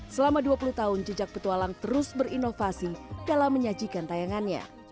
selama dua puluh tahun jejak petualang terus berinovasi dalam menyajikan tayangannya